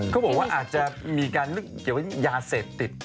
เขาบอกว่าอาจจะมีการเรื่องเหยาะเซตติด